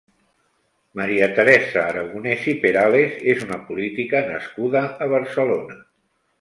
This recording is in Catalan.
Maria Teresa Aragonès i Perales és una política nascuda a Barcelona.